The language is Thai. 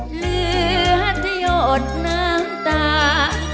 เหลือทะโยชน์น้ำตา